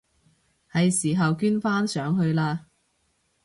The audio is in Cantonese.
係時候捐返上去喇！